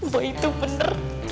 boy itu benar